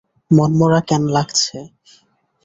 মনমরা কেন লাগছে?